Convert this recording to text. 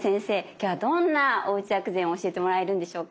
今日はどんなおうち薬膳教えてもらえるんでしょうか。